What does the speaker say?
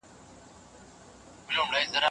پښتون د توري په ميدان كښي